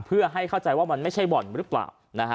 เพื่อให้เข้าใจว่ามันไม่ใช่บ่อนหรือเปล่า